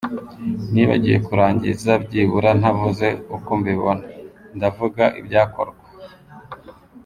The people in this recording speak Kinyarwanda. nibagiwe kurangiza byibura ntavuze uko mbibona, ndavuga ibyakorwa: